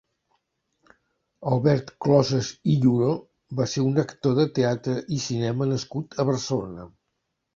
Albert Closas i Lluró va ser un actor de teatre i cinema nascut a Barcelona.